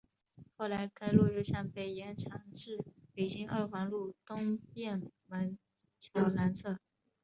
后来该路又向北延长至北京二环路东便门桥南侧。